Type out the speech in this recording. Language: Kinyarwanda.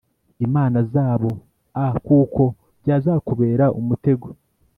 Imana zabo a kuko byazakubera umutego